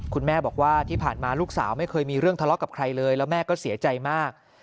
คุณแม่บอกว่าที่ผ่านมาลูกสาวไม่เคยมีเรื่องทะเลาะกับใครเลยแล้วแม่ก็เสียใจมาก